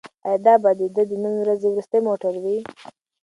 ایا دا به د ده د نن ورځې وروستی موټر وي؟